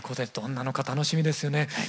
どんなのか楽しみですよね。